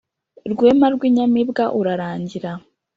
Rwema rw’inyamibwa urarangira;